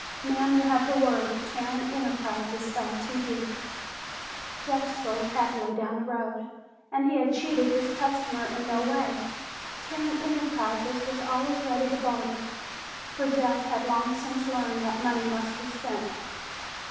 "Ma'am, you have the word of Tarrant Enterprises, Ltd." Jeff strode happily down the road, and he had cheated his customer in no way. Tarrant Enterprises was always ready to barter, for Jeff had long since learned that money must be spent.